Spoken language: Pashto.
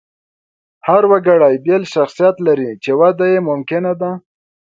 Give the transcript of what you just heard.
هر وګړی بېل شخصیت لري، چې وده یې ممکنه ده.